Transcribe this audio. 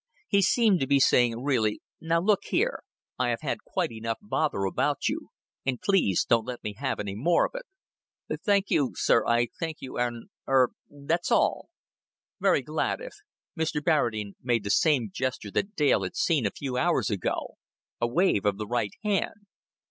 He seemed to be saying really: "Now look here, I have had quite enough bother about you; and please don't let me have any more of it." "Then, sir, I thank you and er that's all." "Very glad if " Mr. Barradine made the same gesture that Dale had seen a few hours ago: a wave of the right hand.